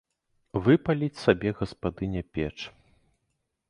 Выпаліць сабе гаспадыня печ.